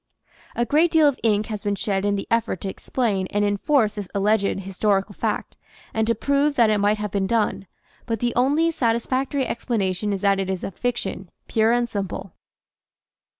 A great deal of ink has been shed in the effort to explain and enforce this alleged historical fact and to prove that it might have been done, but the only satisfactory expla nation is that it is a fiction pure and simple.